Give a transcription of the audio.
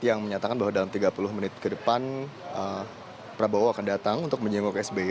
yang menyatakan bahwa dalam tiga puluh menit ke depan prabowo akan datang untuk menjenguk sby